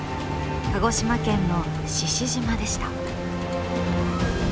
鹿児島県の獅子島でした。